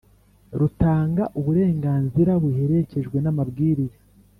rutanga uburenganzira buherekejwe n amabwiriza